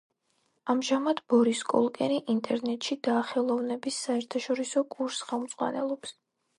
ამჟამად ბორის კოლკერი ინტერნეტში დახელოვნების საერთაშორისო კურსს ხელმძღვანელობს.